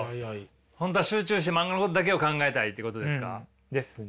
本当は集中して漫画のことだけを考えたいってことですか。ですね。